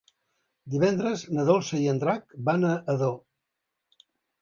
Divendres na Dolça i en Drac van a Ador.